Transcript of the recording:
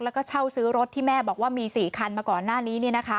แล้วก็เช่าซื้อรถที่แม่บอกว่ามี๔คันมาก่อนหน้านี้